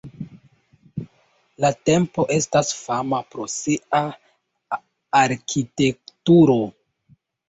La templo estas fama pro sia arkitekturo.